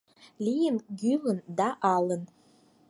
Лийын гӱлын да алын